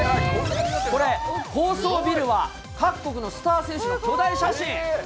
これ、高層ビルは各国のスター選手の巨大写真。